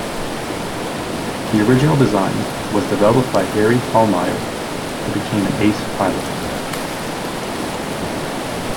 The original design was developed by Harry Hollmeyer who became an ace pilot.